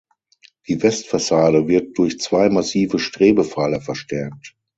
Die Westfassade wird durch zwei massive Strebepfeiler verstärkt.